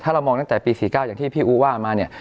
ถ้าเรามองตั้งแต่ปี๔๙อย่างที่พี่อูว่ามาเนี่ย